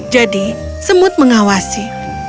jadi semut mengawasi